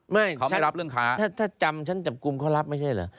ไม่ถ้าจำชั้นจับกลุ่มเขารับไม่ใช่เหรอ